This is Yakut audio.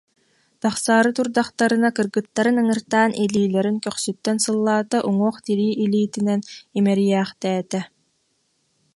Тахсаары турдахтарына кыргыттарын ыҥыртаан, илиилэрин көхсүттэн сыллаата, уҥуох тирии илиитинэн имэрийээхтээтэ